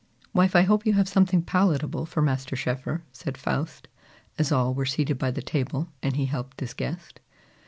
"Wife, I hope you have something palatable for Master Schoeffer," said Faust, as all were seated by the table, and he helped his guest.